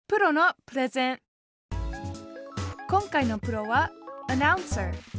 今回のプロはアナウンサー。